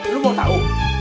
lo mau tau